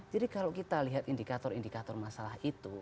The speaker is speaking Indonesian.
jadi kalau kita lihat indikator indikator masalah itu